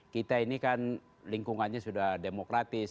kita ini kan lingkungannya sudah demokratis